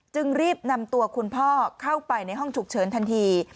จึงรีบนำตัวคุณพ่อเข้าไปในห้องฉุกเฉินทันที